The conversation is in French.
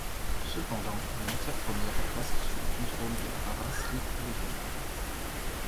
Cependant, les matières premières restent sous le contrôle de la brasserie originale.